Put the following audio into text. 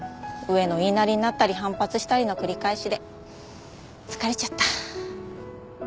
上の言いなりになったり反発したりの繰り返しで疲れちゃった。